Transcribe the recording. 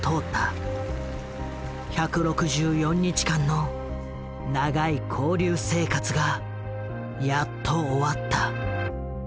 １６４日間の長い勾留生活がやっと終わった。